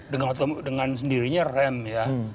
dengan otom dengan sendirinya rem ya